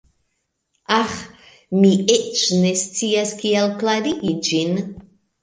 Aĥ, mi eĉ ne scias kiel klarigi ĝin.